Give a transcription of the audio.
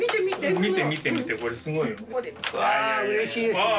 見て見て見てこれすごいよ。